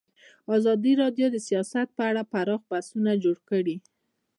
ازادي راډیو د سیاست په اړه پراخ بحثونه جوړ کړي.